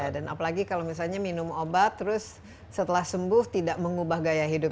dan apalagi kalau misalnya minum obat terus setelah sembuh tidak mengubah gaya hidup